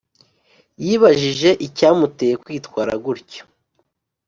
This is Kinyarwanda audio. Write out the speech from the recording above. yibajije icyamuteye kwitwara gutyo